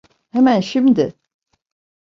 Hemen şimdi.